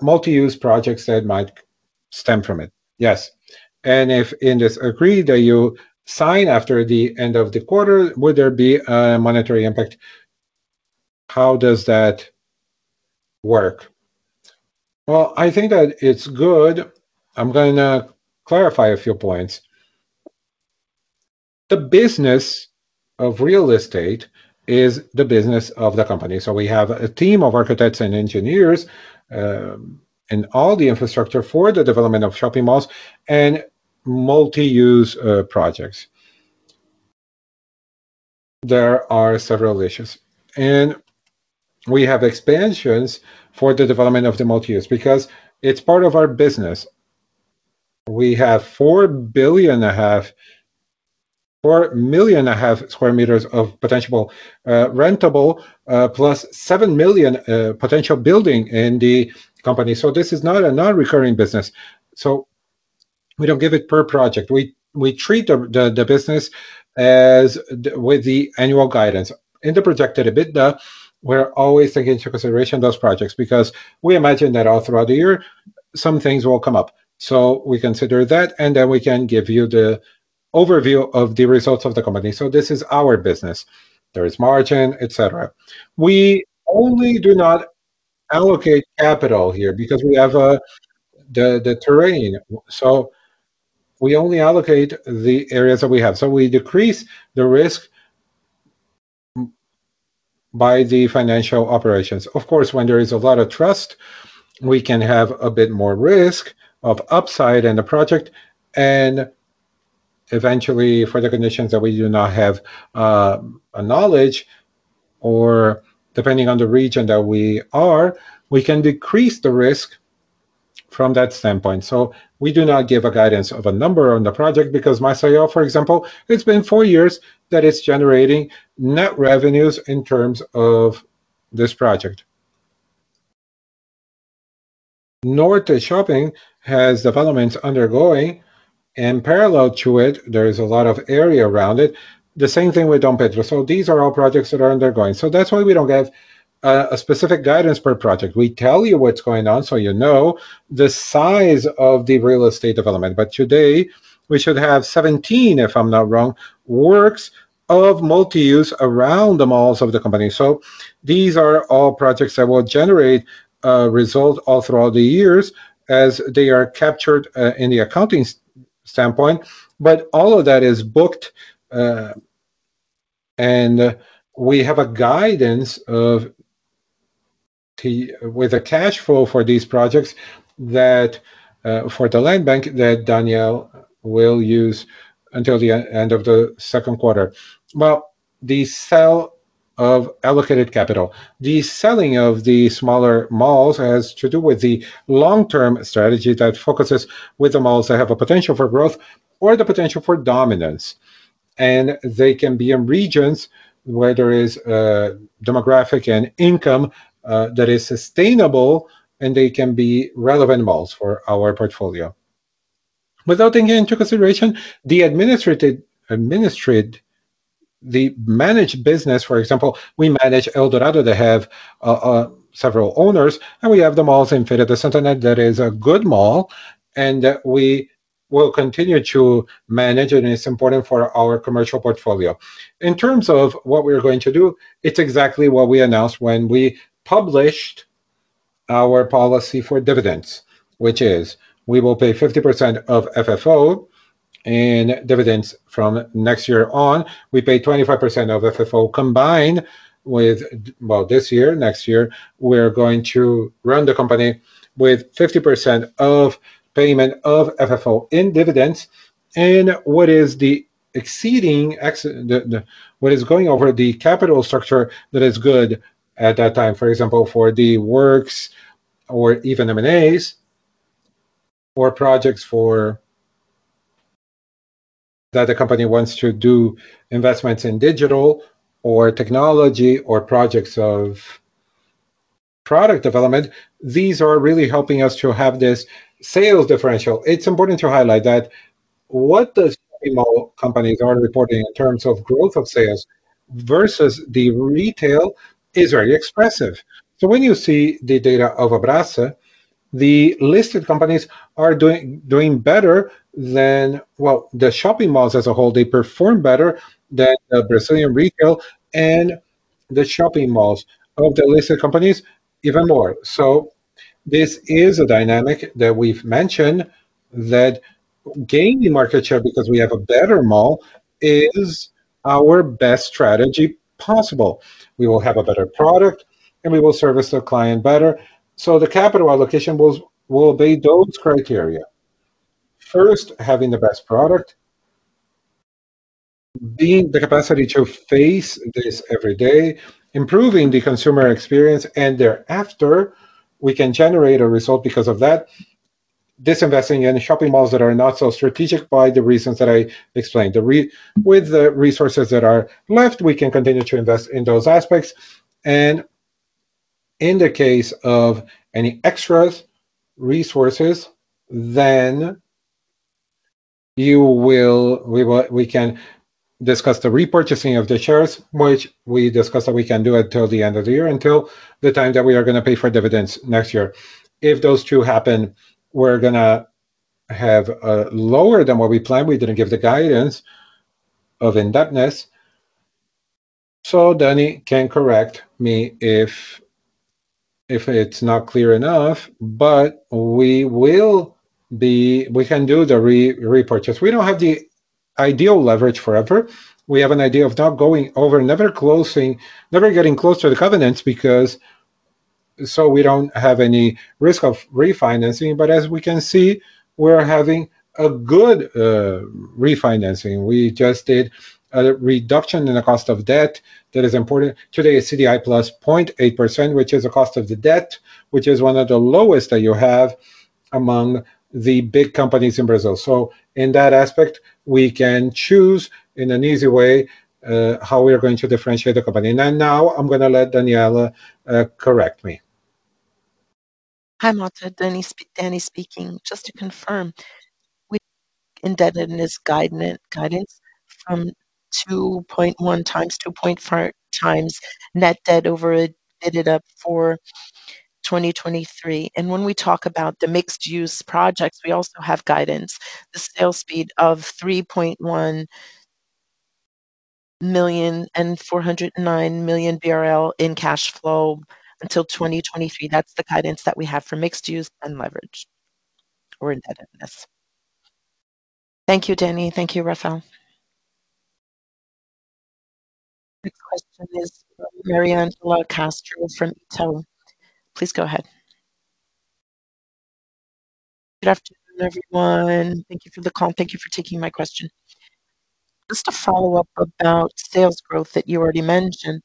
multi-use projects that might stem from it. Yes. If in this agreement that you sign after the end of the quarter, would there be a monetary impact? How does that work? Well, I think that it's good. I'm gonna clarify a few points. The business of real estate is the business of the company. We have a team of architects and engineers and all the infrastructure for the development of shopping malls and multi-use projects. There are several issues, and we have expansions for the development of the multi-use because it's part of our business. We have 4.5 million sq ms of potential rentable plus 7 million potential building in the company. This is not a non-recurring business, so we don't give it per project. We, we treat the, the, the business as with the annual guidance. In the projected EBITDA, we're always taking into consideration those projects because we imagine that all throughout the year, some things will come up. We consider that, and then we can give you the overview of the results of the company. This is our business. There is margin, et cetera. We only do not allocate capital here because we have, the, the terrain. We only allocate the areas that we have. We decrease the risk by the financial operations. Of course, when there is a lot of trust, we can have a bit more risk of upside in the project, and eventually, for the conditions that we do not have, a knowledge, or depending on the region that we are, we can decrease the risk from that standpoint. We do not give a guidance of a number on the project because Maceió, for example, it's been four years that it's generating net revenues in terms of this project. Norte Shopping has developments undergoing, parallel to it, there is a lot of area around it, the same thing with Dom Pedro. These are all projects that are undergoing. That's why we don't give a specific guidance per project. We tell you what's going on, so you know the size of the real estate development. Today, we should have 17, if I'm not wrong, works of multi-use around the malls of the company. These are all projects that will generate result all throughout the years as they are captured in the accounting standpoint. All of that is booked, and we have a guidance with a cash flow for these projects that for the land bank, that Daniel will use until the end of the second quarter. Well, the sell of allocated capital, the selling of the smaller malls has to do with the long-term strategy that focuses with the malls that have a potential for growth or the potential for dominance. They can be in regions where there is demographic and income that is sustainable, and they can be relevant malls for our portfolio. Without taking into consideration the administrative, the managed business, for example, we manage Eldorado. They have several owners, and we have the malls in Feira de Santana, that is a good mall, and we will continue to manage, and it's important for our commercial portfolio. In terms of what we are going to do, it's exactly what we announced when we published Our policy for dividends, which is we will pay 50% of FFO in dividends from next year on. We pay 25% of FFO combined with, well, this year. Next year, we're going to run the company with 50% of payment of FFO in dividends, and what is the exceeding what is going over the capital structure that is good at that time. For example, for the works or even M&As or projects for. That the company wants to do investments in digital, or technology, or projects of product development, these are really helping us to have this sales differential. It's important to highlight that what does shopping mall companies are reporting in terms of growth of sales versus the retail is very expressive. When you see the data of ABRASCE, the listed companies are doing, doing better than. Well, the shopping malls as a whole, they perform better than the Brazilian retail and the shopping malls of the listed companies, even more. This is a dynamic that we've mentioned that gaining market share because we have a better mall is our best strategy possible. We will have a better product, and we will service the client better. The capital allocation will, will obey those criteria. First, having the best product, being the capacity to face this every day, improving the consumer experience, and thereafter, we can generate a result because of that. Disinvesting in shopping malls that are not so strategic by the reasons that I explained. With the resources that are left, we can continue to invest in those aspects, and in the case of any extras resources, then you will-- we will-- we can discuss the repurchasing of the shares, which we discussed, that we can do it till the end of the year, until the time that we are going to pay for dividends next year. If those two happen, we're going to have lower than what we planned. We didn't give the guidance of indebtedness, Danny can correct me if, if it's not clear enough, but we will be-- we can do the repurchase. We don't have the ideal leverage forever. We have an idea of not going over, never closing, never getting close to the covenants because so we don't have any risk of refinancing. As we can see, we're having a good refinancing. We just did a reduction in the cost of debt. That is important. Today is CDI plus 0.8%, which is the cost of the debt, which is one of the lowest that you have among the big companies in Brazil. In that aspect, we can choose, in an easy way, how we are going to differentiate the company. Now I'm going to let Daniella correct me. Hi, Marta. Danny speaking. Just to confirm, we indebtedness guidance, guidance from 2.1 times to 2.5 times net debt over EBITDA for 2023. When we talk about the mixed-use projects, we also have guidance, the sales speed of 3.1 million and 409 million BRL in cash flow until 2023. That's the guidance that we have for mixed-use and leverage or indebtedness. Thank you, Danny. Thank you, Rafael. The next question is Mariana Castro from Itaú. Please go ahead. Good afternoon, everyone. Thank you for the call. Thank you for taking my question. Just to follow up about sales growth that you already mentioned,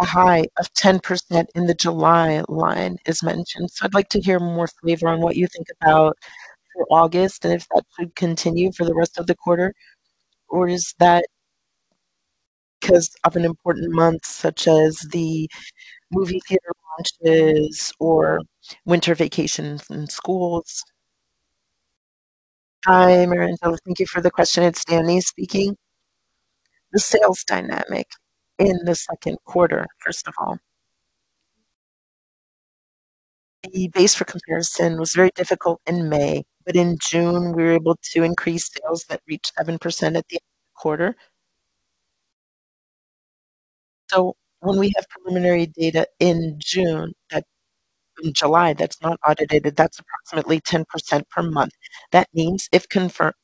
a high of 10% in the July line is mentioned. I'd like to hear more flavor on what you think about for August and if that could continue for the rest of the quarter, or is that because of an important month, such as the movie theater launches or winter vacations in schools? Hi, Marianne. Thank you for the question. It's Danny speaking. The sales dynamic in the second quarter, first of all. The base for comparison was very difficult in May, but in June, we were able to increase sales that reached 7% at the end of the quarter. When we have preliminary data in July, that's not audited, that's approximately 10% per month. That means, if confirmed,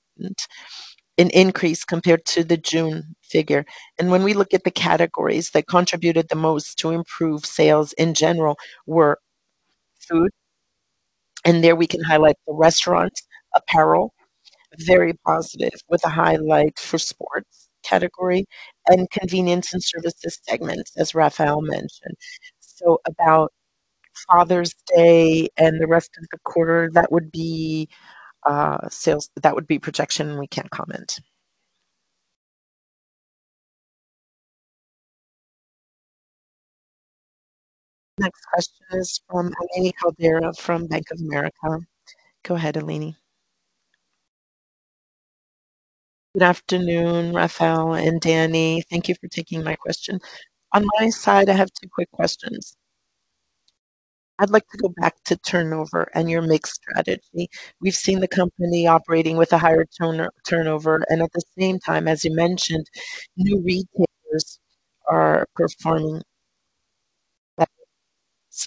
an increase compared to the June figure. When we look at the categories that contributed the most to improve sales in general were food, and there we can highlight the restaurant, apparel, very positive, with a highlight for sports category and convenience and services segment, as Rafael mentioned. About Father's Day and the rest of the quarter, that would be sales. That would be projection, and we can't comment. Next question is from Eleni Caldera from Bank of America. Go ahead, Eleni. Good afternoon, Rafael and Danny. Thank you for taking my question. On my side, I have two quick questions. I'd like to go back to turnover and your mix strategy. We've seen the company operating with a higher turnover, and at the same time, as you mentioned, new retailers are performing-.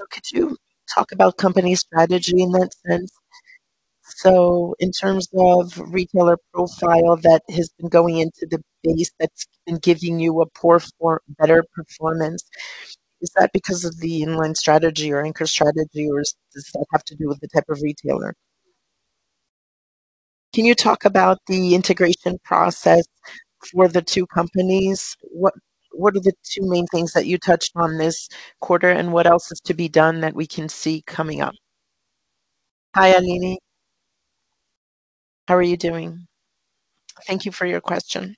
Could you talk about company strategy in that sense? In terms of retailer profile that has been going into the base, that's been giving you a poor form, better performance, is that because of the inline strategy or anchor strategy, or does that have to do with the type of retailer? Can you talk about the integration process for the two companies? What are the two main things that you touched on this quarter, and what else is to be done that we can see coming up? Hi, Eleni. How are you doing? Thank you for your question.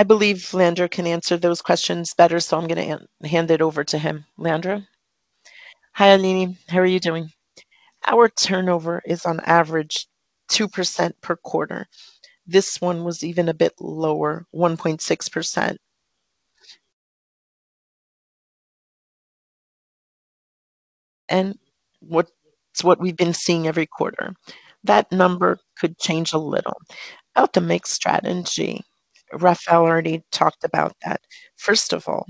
I believe Leandro can answer those questions better, so I'm gonna hand it over to him. Leandro? Hi, Eleni. How are you doing? Our turnover is on average 2% per quarter. This one was even a bit lower, 1.6%. It's what we've been seeing every quarter. That number could change a little. About the mix strategy, Rafael already talked about that. First of all,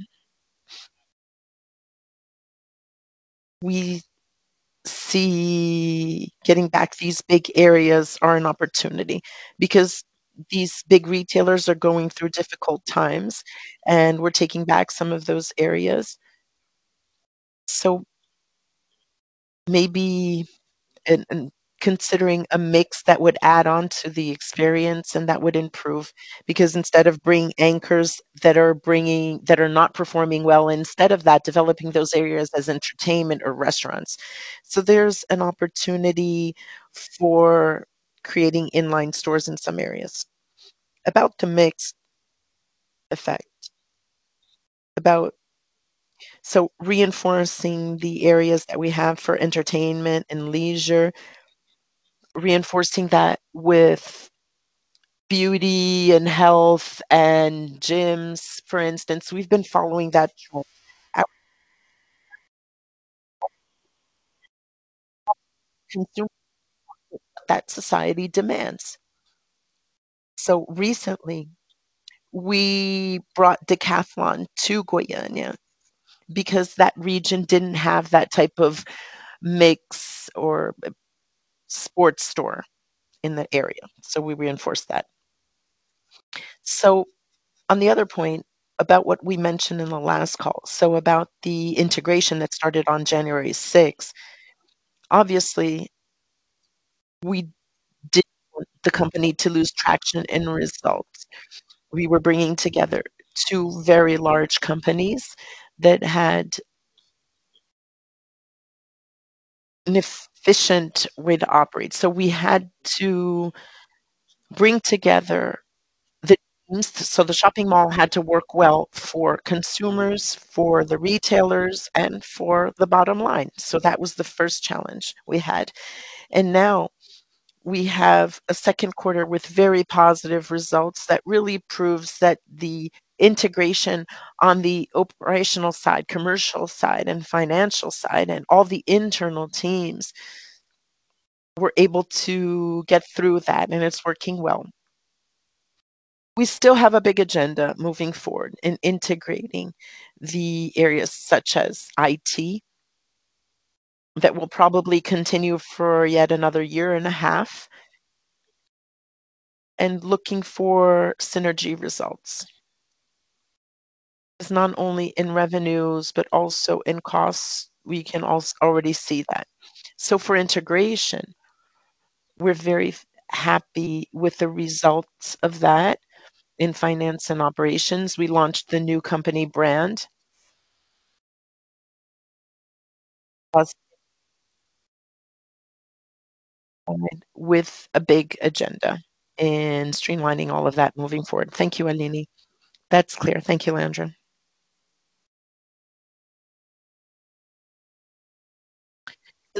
we see getting back these big areas are an opportunity because these big retailers are going through difficult times, and we're taking back some of those areas. Maybe, and considering a mix that would add on to the experience and that would improve, because instead of bringing anchors that are not performing well, instead of that, developing those areas as entertainment or restaurants. There's an opportunity for creating inline stores in some areas. About the mix effect. About... Reinforcing the areas that we have for entertainment and leisure, reinforcing that with beauty and health and gyms, for instance, we've been following that trend. That society demands. Recently, we brought Decathlon to Goiânia because that region didn't have that type of mix or a sports store in the area, so we reinforced that. On the other point, about what we mentioned in the last call, so about the integration that started on January sixth, obviously, we didn't want the company to lose traction and results. We were bringing together two very large companies that had an efficient way to operate, so we had to bring together So the shopping mall had to work well for consumers, for the retailers, and for the bottom line. That was the first challenge we had. Now we have a second quarter with very positive results that really proves that the integration on the operational side, commercial side, and financial side, and all the internal teams, were able to get through that, and it's working well. We still have a big agenda moving forward in integrating the areas such as IT, that will probably continue for yet another year and a half, and looking for synergy results. It's not only in revenues, but also in costs. We can already see that. For integration, we're very happy with the results of that. In finance and operations, we launched the new company brand. With a big agenda and streamlining all of that moving forward. Thank you, Eleni. That's clear.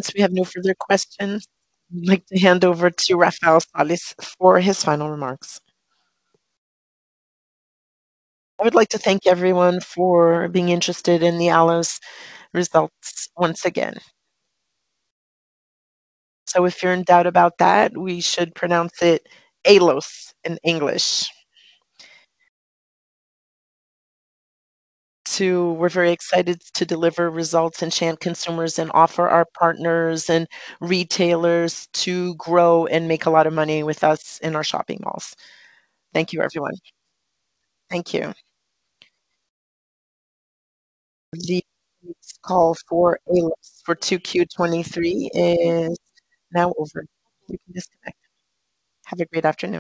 Thank you, Leandro. Since we have no further questions, I'd like to hand over to Rafael Sales for his final remarks. I would like to thank everyone for being interested in the Allos results once again. If you're in doubt about that, we should pronounce it Allos in English.We're very excited to deliver results, enchant consumers, and offer our partners and retailers to grow and make a lot of money with us in our shopping malls. Thank you, everyone. Thank you. The call for Allos for 2Q23 is now over. You can disconnect. Have a great afternoon.